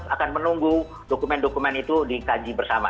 akan menunggu dokumen dokumen itu dikaji bersama